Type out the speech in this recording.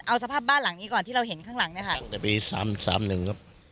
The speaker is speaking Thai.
เอาสภาพบ้านหลังนี้ก่อนที่เราเห็นข้างหลังเนี่ยค่ะตั้งแต่ปีสามสามหนึ่งครับ